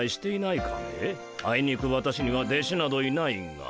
あいにく私には弟子などいないが。